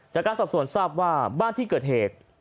จากการสอบสวนทราบว่าบ้านที่เกิดเหตุ